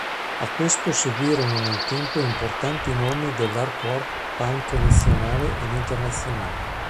A questo seguirono nel tempo importanti nomi dell'hardcore punk nazionale ed internazionale.